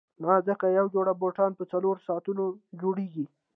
نه ځکه یوه جوړه بوټان په څلورو ساعتونو جوړیږي.